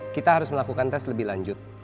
kita harus melakukan tes lebih lanjut